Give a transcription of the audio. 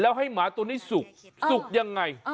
แล้วให้หมาตัวนี้สุกสุกยังไง